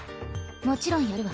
もちろんやるわ。